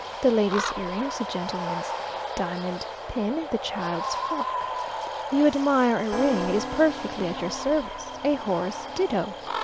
the lady's earrings, the gentleman's diamond pin, the child's frock. You admire a ring it is perfectly at your service; a horse ditto.